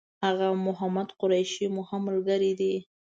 آغا محمد قریشي مو هم ملګری دی.